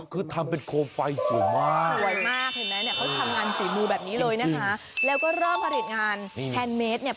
แล้วก็รอบการีดงานแฮนตเมดเนี่ย